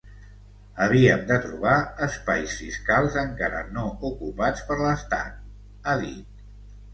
Havíem de trobar espais fiscals encara no ocupats per l’estat, ha dit.